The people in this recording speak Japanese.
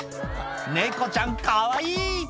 猫ちゃんかわいい！